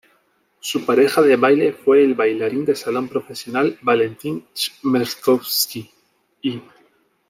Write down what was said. Su pareja de baile fue el bailarín de salón profesional Valentin Chmerkovskiy.